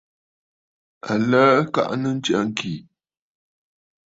Aləə kaʼanə ntsya ŋkì.